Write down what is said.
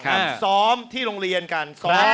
ทำซ้อมที่โรงเรียนกัน